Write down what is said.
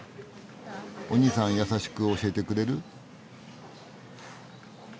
おにいさん優しく教えてくれる？